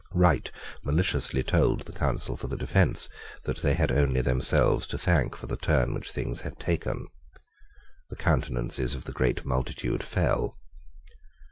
Wright maliciously told the counsel for the defence that they had only themselves to thank for the turn which things had taken. The countenances of the great multitude fell.